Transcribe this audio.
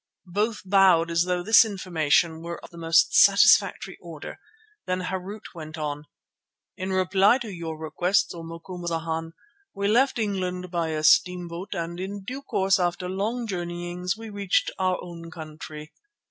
Both bowed as though this information were of the most satisfactory order. Then Harût went on: "In reply to your requests, O Macumazana, we left England by a steamboat and in due course after long journeyings we reached our own country.